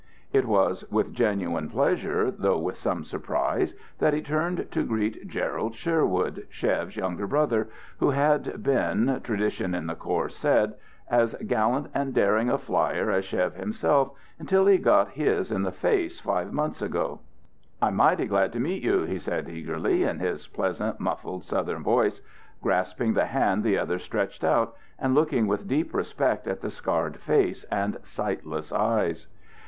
It was with genuine pleasure, though with some surprise, that he turned to greet Gerald Sherwood, Chev's younger brother, who had been, tradition in the corps said, as gallant and daring a flyer as Chev himself, until he got his in the face five months ago. "I'm mighty glad to meet you," he said eagerly, in his pleasant, muffled Southern voice, grasping the hand the other stretched out, and looking with deep respect at the scarred face and sightless eyes.